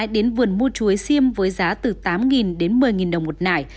đến vườn mua chuối xiêm với giá từ tám đến một mươi đồng một nải